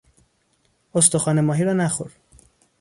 استخوان ماهی را نخور!